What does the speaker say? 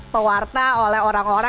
pewarta oleh orang orang sekarang ini